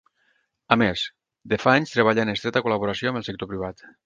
A més, de fa anys treballa en estreta col·laboració amb el sector privat.